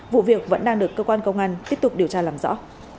vụ việc vẫn đang được cơ quan công an tiếp tục điều tra làm rõ